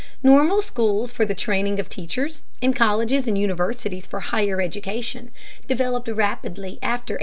Normal schools for the training of teachers, and colleges and universities for higher education, developed rapidly after 1880.